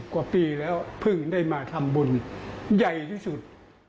กว่าปีแล้วเพิ่งได้มาทำบุญใหญ่ที่สุด